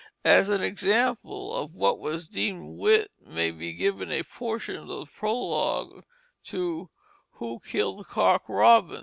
As an example of what was deemed wit may be given a portion of the prologue to "Who Killed Cock Robin."